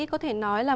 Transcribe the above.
có thể nói là